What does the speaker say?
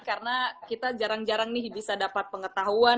karena kita jarang jarang nih bisa dapat pengetahuan